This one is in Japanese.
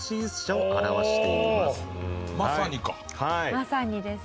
まさにですね。